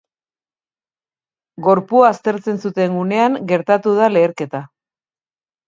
Gorpua aztertzen zuten unean gertatu da leherketa.